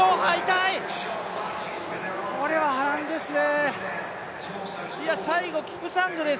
これは波乱ですね。